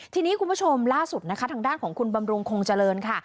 ทีนี้คุณผู้ชมล่าสุดนะคะทางด้านของคุณบำรุงคงเจริญค่ะ